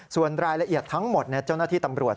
ส่วนรายละเอียดทั้งหมดเจ้าหน้าที่ตำรวจ